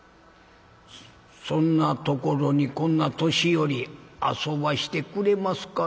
「そんなところにこんな年寄り遊ばしてくれますかな？」。